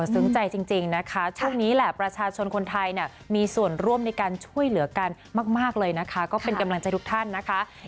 ซึ้งใจจริงนะคะช่วงนี้แหละประชาชนคนไทยเนี่ยมีส่วนร่วมในการช่วยเหลือกันมากเลยนะคะก็เป็นกำลังใจทุกท่านนะคะ